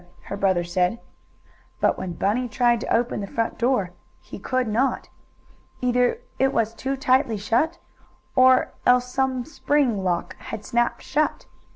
her brother said. But when Bunny tried to open the front door he could not. Either it was too tightly shut, or else some spring lock had snapped shut.